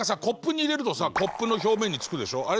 コップに入れるとさコップの表面につくでしょ？